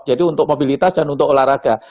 jadi untuk mobilitas dan untuk olahraga